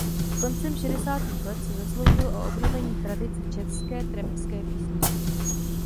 Koncem šedesátých let se zasloužil o obnovení tradice české trampské písničky.